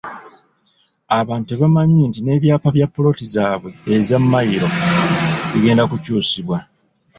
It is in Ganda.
Abantu tebamanyi nti n'ebyapa bya ppoloti zaabwe eza mmayiro bigenda kukyusibwa.